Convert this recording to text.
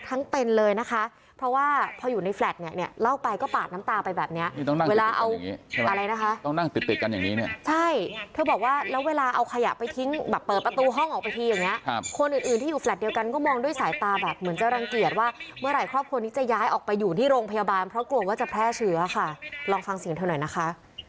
ที่อยู่แฟลตเดียวกันก็มองด้วยสายตาแบบเหมือนจะรังเกียจว่าเมื่อไหร่ครอบครองนี้จะย้ายออกไปอยู่ที่โรงพยาบาลเพราะกลัวว่าจะแพร่เชื้อค่ะลองฟังเสียงเท่าหน่อยนะคะ